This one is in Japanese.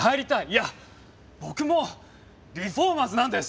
いや僕もリフォーマーズなんです！